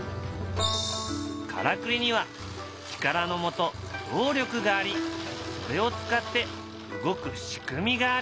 からくりには「力のもと・動力」がありそれを使って動く仕組みがある。